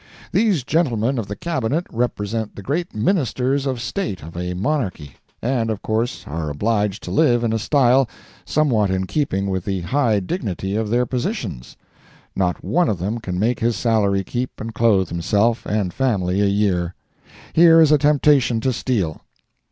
These gentlemen of the Cabinet represent the great Ministers of State of a monarchy, and of course are obliged to live in a style somewhat in keeping with the high dignity of their positions. Not one of them can make his salary keep and clothe himself and family a year. Here is a temptation to steal.